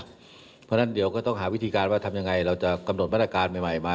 เพราะฉะนั้นเดี๋ยวก็ต้องหาวิธีการว่าทำยังไงเราจะกำหนดมาตรการใหม่มา